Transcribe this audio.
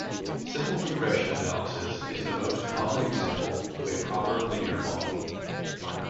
Simple regression analysis is the most common example of a proper linear model.